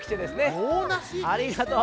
ありがとう。